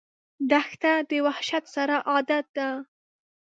دښته د وحشت سره عادت ده.